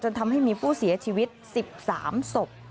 ทำให้มีผู้เสียชีวิต๑๓ศพ